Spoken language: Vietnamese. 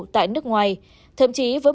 tại nước ngoài thậm chí với